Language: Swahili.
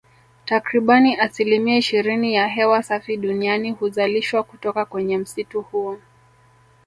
Takribani asilimia ishirini ya hewa safi duniani huzalishwa kutoka kwenye msitu huo